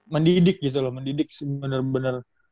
mendidik gitu loh mendidik bener bener